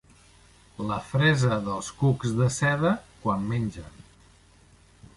La fressa dels cucs de seda quan mengen.